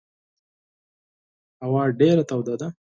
هوا ډېره توده ده.